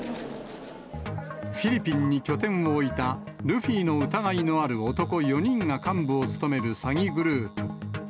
フィリピンに拠点を置いた、ルフィの疑いのある男４人が幹部を務める詐欺グループ。